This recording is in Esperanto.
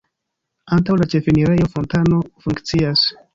Antaŭ la ĉefenirejo fontano funkcias.